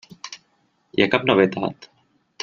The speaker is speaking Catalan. Hi ha cap novetat?